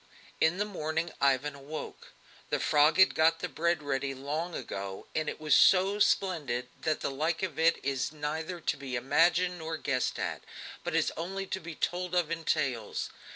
In the morning Ivan awoke. The frog had got the bread ready long ago, and it was so splendid that the like of it is neither to be imagined nor guessed at, but is only to be told of in tales.